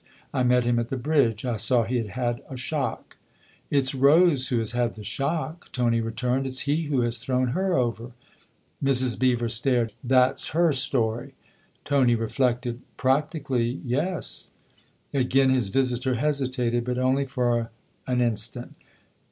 I met him at the bridge I saw he had had a shock." " It's Rose who has had the shock !" Tony returned. " It's he who has thrown her over." Mrs. Beever stared. " That's her story ?" Tony reflected. " Practically yes." Again his visitor hesitated, but only for an instant.